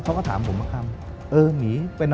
เขาก็ถามผมมาคำ